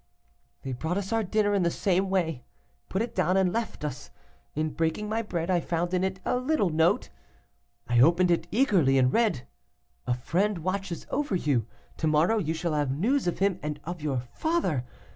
"They brought us our dinner in the same way, put it down, and left us. In breaking my bread I found in it a little note. I opened it eagerly, and read, 'A friend watches over you. To morrow you shall have news of him and of your father.